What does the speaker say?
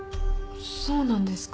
そうなんですか？